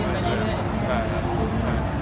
ไม่ได้นับเลย